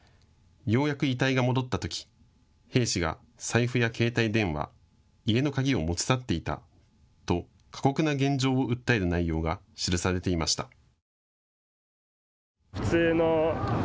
ようやく遺体が戻ったとき兵士が財布や携帯電話、家の鍵を持ち去っていたと過酷な現状を訴える内容が記されていました。